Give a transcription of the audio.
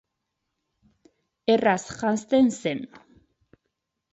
Erraz janzten zen.